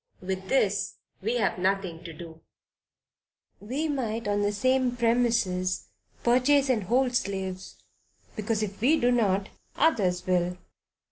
With this we have nothing to do; we might on the same premises, purchase and hold slaves, because if we do not, others will.